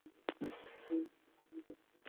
আমার জানা মতে এটি উৎকৃষ্টতম ছাপা।